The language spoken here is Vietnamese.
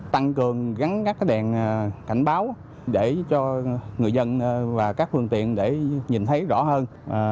tăng cường gắn các đèn cảnh báo để cho người dân và các phương tiện để nhìn thấy rõ hơn